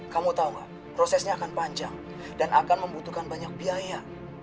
kamu tahu prosesnya akan panjang dan akan membutuhkan banyak biaya